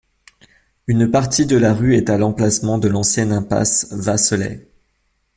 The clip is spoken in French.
Une partie de la rue est à l'emplacement de l'ancienne impasse Vacelet.